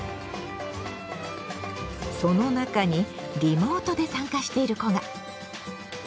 その中にリモートで参加している子が。